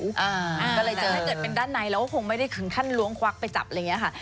ก็เลยจะถ้าเกิดเป็นด้านในเราก็คงไม่ได้ถึงขั้นล้วงควักไปจับอะไรอย่างนี้ค่ะ